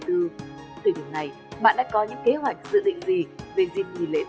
từ điều này bạn đã có những kế hoạch dự định gì về dịch vì lễ tết dương lịch